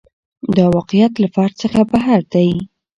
دا واقعیت له فرد څخه بهر دی.